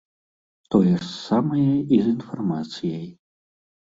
Тое ж самае і з інфармацыяй.